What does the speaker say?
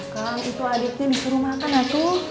akang itu adiknya disuruh makan ya tuh